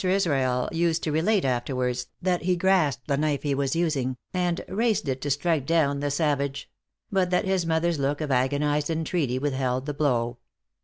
Israel used to relate afterwards that he grasped the knife he was using, and raised it to strike down the savage; but that his mothers look of agonized entreaty withheld the blow.